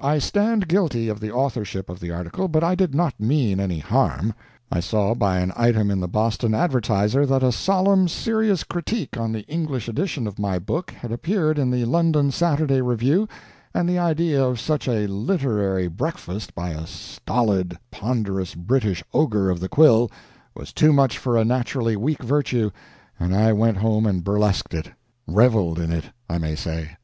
I stand guilty of the authorship of the article, but I did not mean any harm. I saw by an item in the Boston Advertiser that a solemn, serious critique on the English edition of my book had appeared in the London Saturday Review, and the idea of _such _a literary breakfast by a stolid, ponderous British ogre of the quill was too much for a naturally weak virtue, and I went home and burlesqued it reveled in it, I may say.